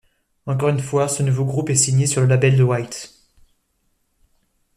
Encore une fois, ce nouveau groupe est signé sur le label de White.